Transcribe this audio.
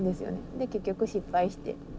で結局失敗して。